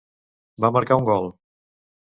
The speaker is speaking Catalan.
Va marcar un gol.